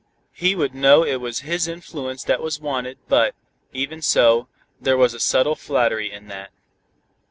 He would know it was his influence that was wanted but, even so, there was a subtle flattery in that.